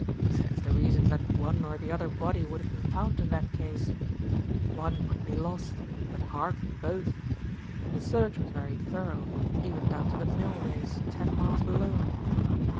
"It stands to reason that one or the other body would have been found in that case. One might be lost, but hardly both. The search was very thorough, even down to the mill race ten miles below."